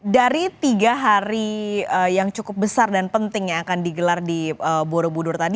dari tiga hari yang cukup besar dan penting yang akan digelar di borobudur tadi